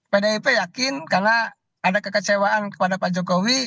pdip yakin karena ada kekecewaan kepada pak jokowi